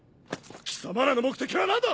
貴様らの目的は何だ！